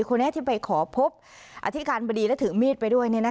คนนี้ที่ไปขอพบอธิการบดีและถือมีดไปด้วย